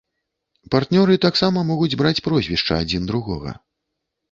Партнёры таксама могуць браць прозвішча адзін другога.